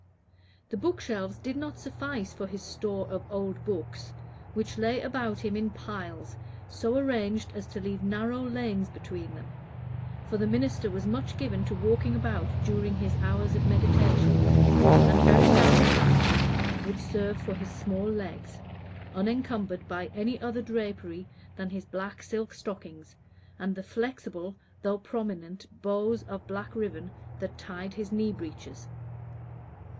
The bookshelves did not suffice for his store of old books, which lay about him in piles so arranged as to leave narrow lanes between them; for the minister was much given to walking about during his hours of meditation, and very narrow passages would serve for his small legs, unencumbered by any other drapery than his black silk stockings and the flexible, though prominent, bows of black ribbon that tied his knee breeches.